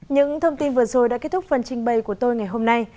những thông tin vừa rồi đã kết thúc phần trình bày của tôi ngày hôm nay